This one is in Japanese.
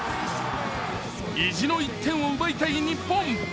意地の１点を奪いたい日本。